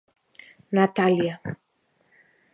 Natalia.